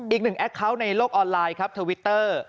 อีกหนึ่งแอคคาวต์ในโลกออนไลน์ทวิตเตอร์